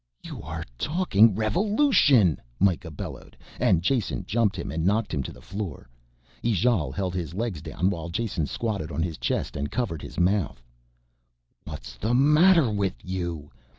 "You are talking revolution!" Mikah bellowed and Jason jumped him and knocked him to the floor. Ijale held his legs down while Jason squatted on his chest and covered his mouth. "What is the matter with you?